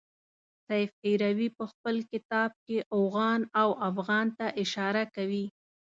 سیف هروي په خپل کتاب کې اوغان او افغان ته اشاره کوي.